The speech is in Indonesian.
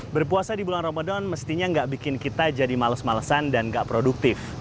berpuasa di bulan ramadan mestinya nggak bikin kita jadi males malesan dan nggak produktif